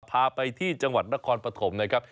พาไปที่จังหวัดนครปฐมนะครับ